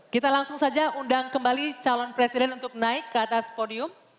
kita langsung saja undang kembali calon presiden untuk naik ke atas podium